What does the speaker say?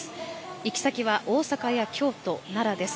行き先は大阪や京都、奈良です。